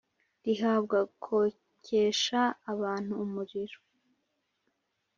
rihabwa kokesha abantu umuriro.